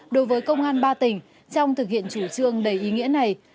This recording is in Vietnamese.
đối với công an ba tỉnh trong thực hiện chủ trương đầy ý nghĩa này